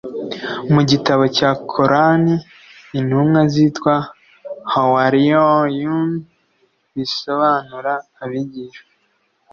Mu gitabo cya Coran intumwa zitwa Hawâriyyoûn (bisobanura abigishwa)